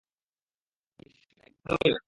ঈশ্বর, একদমই নয়।